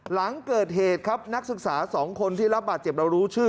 หลังเกิดเหตุครับนักศึกษา๒คนที่รับบาดเจ็บเรารู้ชื่อ